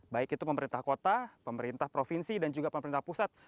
baik itu pemerintah kota pemerintah provinsi dan juga pemerintah pusat